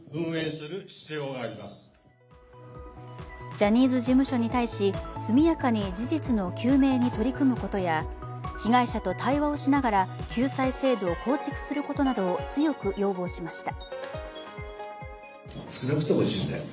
ジャニー事務所に対して速やかに事実の究明に向けて取り組むことや被害者と対話をしながら救済制度を構築することなどを強く要望しました。